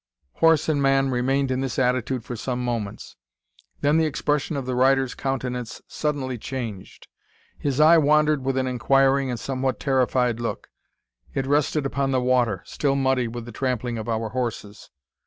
Horse and man remained in this attitude for some moments. Then the expression of the rider's countenance suddenly changed. His eye wandered with an inquiring and somewhat terrified look. It rested upon the water, still muddy with the trampling of our horses.